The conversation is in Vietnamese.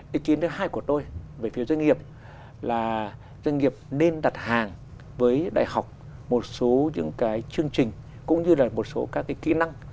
ý kiến thứ hai của tôi về phiếu doanh nghiệp là doanh nghiệp nên đặt hàng với đại học một số những cái chương trình cũng như là một số các cái kỹ năng